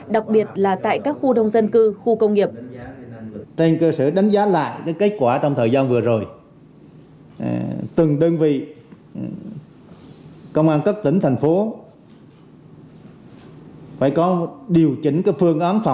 đặc biệt là tại các khu đông dân cư khu công nghiệp